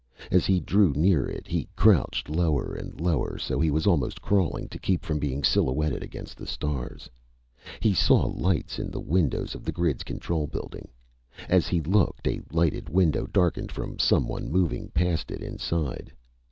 As he drew near it he crouched lower and lower so he was almost crawling to keep from being silhouetted against the stars. He saw lights in the windows of the grid's control building. As he looked, a lighted window darkened from someone moving past it inside.